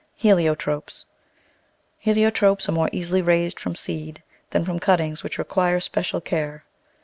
Heliotropes ARE more easily raised. from seed than from cut tings, which require special care.